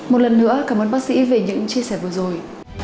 một lần nữa cảm ơn bác sĩ về những chia sẻ vừa rồi